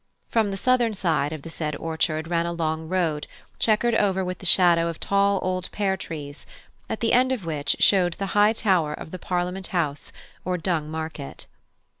From the southern side of the said orchard ran a long road, chequered over with the shadow of tall old pear trees, at the end of which showed the high tower of the Parliament House, or Dung Market.